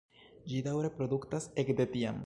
Ĝi daŭre produktas ekde tiam.